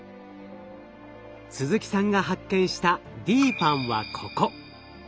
鈴木さんが発見したＤＰＡＮＮはここ。